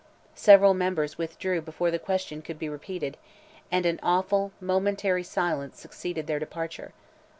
Several members withdrew before the question could be repeated, and an awful, momentary silence succeeded their departure.